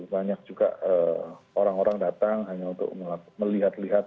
banyak juga orang orang datang hanya untuk melihat lihat